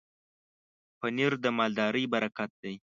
پنېر د مالدارۍ برکت دی.